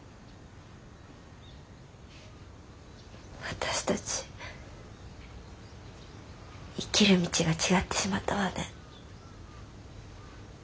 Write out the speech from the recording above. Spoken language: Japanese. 私たち生きる道が違ってしまったわね。